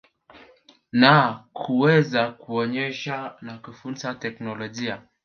na kuweza kuonyesha na kufunza teknolojia.